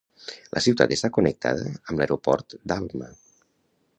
La ciutat està connectada amb l'aeroport d'Alma.